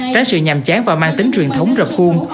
trái sự nhàm chán và mang tính truyền thống rập khuôn